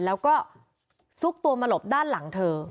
แล้วก็ซุกตัวมาหลบด้านหลังเธอ